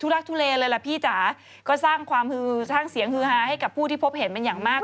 รักทุเลเลยล่ะพี่จ๋าก็สร้างความฮือสร้างเสียงฮือฮาให้กับผู้ที่พบเห็นเป็นอย่างมาก